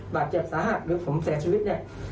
บาดเจ็บสาหัสหรือผมเสียชีวิตเนี่ย